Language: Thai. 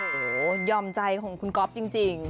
โอ้โหยอมใจของคุณก๊อฟจริง